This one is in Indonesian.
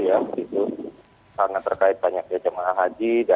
karena terkait banyak jemaah haji